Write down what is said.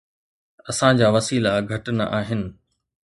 اسان جا وسيلا گهٽ نه آهن.